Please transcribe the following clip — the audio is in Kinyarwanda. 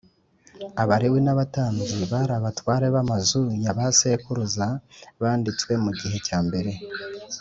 Abalewi n abatambyi bari abatware b amazu ya ba sekuruza banditswe mu gihe cyambere